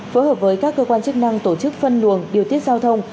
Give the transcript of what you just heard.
phối hợp với các cơ quan chức năng tổ chức phân luồng điều tiết giao thông